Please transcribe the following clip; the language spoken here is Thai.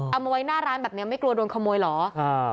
เอามาไว้หน้าร้านแบบนี้ไม่กลัวโดนขโมยเหรอ